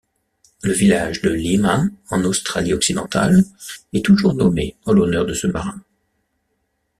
Le village de Leeman en Australie-Occidentale est toujours nommé en l'honneur de ce marin.